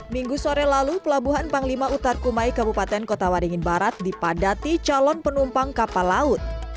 minggu sore lalu pelabuhan panglima utar kumai kabupaten kota waringin barat dipadati calon penumpang kapal laut